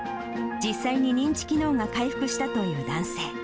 実際に認知機能が回復したという男性。